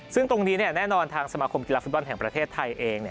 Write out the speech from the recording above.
ซึ่งตรงนี้แน่นอนทางสมาคมกีฬาฟุตบอลแห่งประเทศไทยเอง